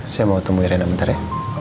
saya mau ketemu reina bentar ya